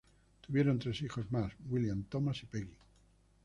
Tuvieron tres hijos más: William, Thomas y Peggy.